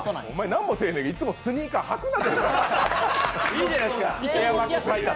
お前何もせぇへんのにスニーカー履くなよ。